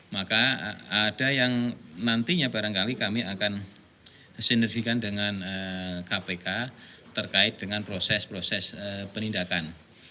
maka ada yang nantinya barangkali kami akan sinergikan dengan kpk terkait dengan proses proses penindakan